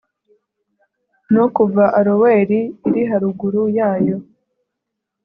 no kuva aroweri iri haruguru yayo